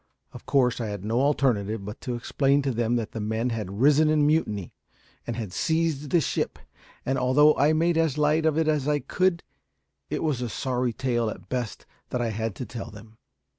Of course, I had no alternative but to explain to them that the men had risen in mutiny, and had seized the ship; and, although I made as light of it as I could, it was a sorry tale at best that I had to tell them.